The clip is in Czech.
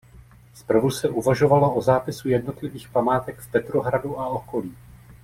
Zprvu se uvažovalo o zápisu jednotlivých památek v Petrohradu a okolí.